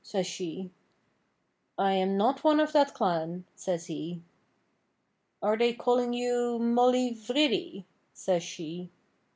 says she. 'I'm not one of that clan,' says he. 'Are they calling you Mollyvridey?' says she.